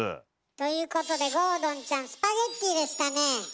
ということで郷敦ちゃんスパゲッティでしたねえ。